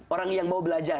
orang yang mau belajar